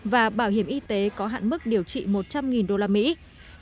và bảo hiểm y tế có hạn mức điều trị một trăm linh usd